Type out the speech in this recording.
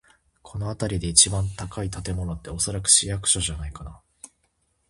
この辺りで一番高い建物って、おそらく市役所じゃないかな。